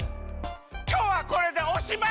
きょうはこれでおしまい！